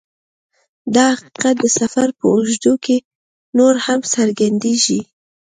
دا حقیقت د سفر په اوږدو کې نور هم څرګندیږي